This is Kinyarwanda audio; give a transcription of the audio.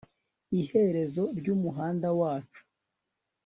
iherezo ryu muhanda wacu